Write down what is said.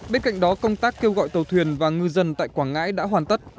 bên cạnh đó công tác kêu gọi tàu thuyền và ngư dân tại quảng ngãi đã hoàn tất